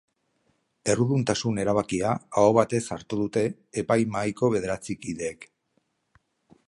Erruduntasun erabakia aho batez hartu dute epaimahaiko bederatzi kideek.